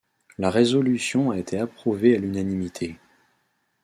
La résolution a été approuvée à l’unanimité.